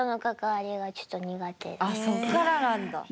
あそっからなんだ。